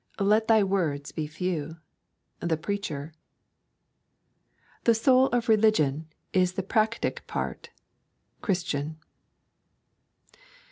'Let thy words be few.' The Preacher. 'The soul of religion is the practick part.' Christian.